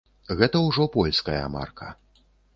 Гэта ўжо польская марка.